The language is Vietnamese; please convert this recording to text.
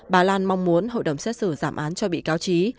bà lan mong muốn hội đồng xét xử giảm án cho bị cáo trí